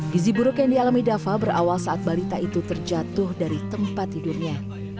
gizi buruk yang dialami dava berawal saat balita itu terjatuh dari tempat tidurnya